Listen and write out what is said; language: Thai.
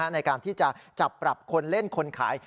ในการที่จะจับปรับคนเล่นคนขาย